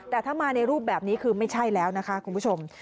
แต่ถ้ามาในรูปแบบนี้คือไม่ใช่แล้วนะคะคุณผู้ชม